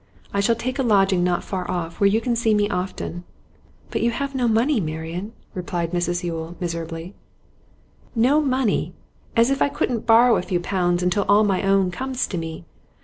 I shall take a lodging not far off; where you can see me often.' 'But you have no money, Marian,' replied Mrs Yule, miserably. 'No money? As if I couldn't borrow a few pounds until all my own comes to me!